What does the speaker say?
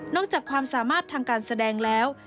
จากความสามารถทางการแสดงแล้ว